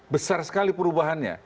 besar sekali perubahannya